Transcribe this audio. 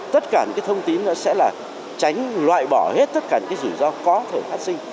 tất cả những cái thông tin đó sẽ là tránh loại bỏ hết tất cả những rủi ro có thể phát sinh